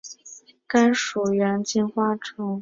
甘薯猿金花虫为金花虫科甘薯猿金花虫属下的一个种。